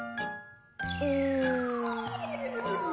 うん。